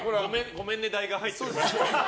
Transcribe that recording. ごめんね代が入ってるから。